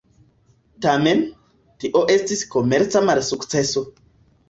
Tamen, tio estis komerca malsukceso.